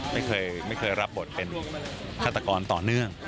ไม่เคยรับบทเป็นฆาตกรต่อเนื่อง